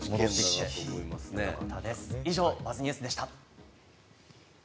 以上、「ＢＵＺＺニュース」でした。